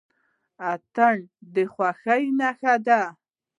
اتن د خوښۍ نښه ده.